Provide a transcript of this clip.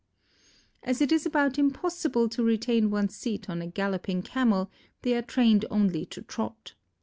As it is about impossible to retain one's seat on a galloping Camel, they are trained only to trot.